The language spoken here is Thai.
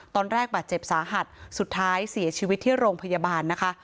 ตอนแรกบาดเจ็บสาหัสสุดท้ายเสียชีวิตที่โรงพยาบาลนะคะ